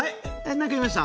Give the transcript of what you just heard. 何か言いました？